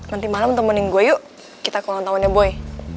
nanti malem temenin gue yuk kita ke ulang tahunnya boy